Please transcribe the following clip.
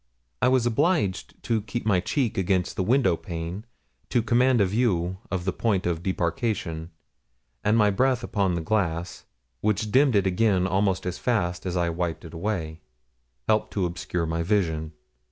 I was obliged to keep my cheek against the window pane to command a view of the point of debarkation, and my breath upon the glass, which dimmed it again almost as fast as I wiped it away, helped to obscure my vision.